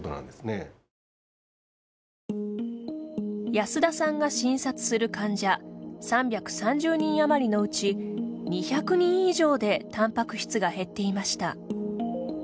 安田さんが診察する患者３３０人あまりのうち２００人以上でたんぱく質が減っていました。